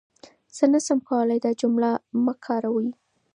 زه نشم کولای دا جمله مه کاروئ.